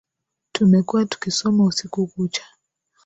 Tumekuwa tukisoma usiku kucha